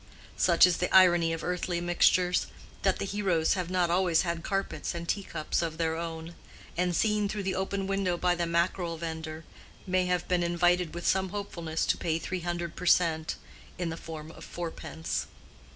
Such is the irony of earthly mixtures, that the heroes have not always had carpets and teacups of their own; and, seen through the open window by the mackerel vender, may have been invited with some hopefulness to pay three hundred per cent, in the form of fourpence.